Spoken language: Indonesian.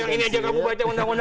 yang ini aja kamu baca undang undang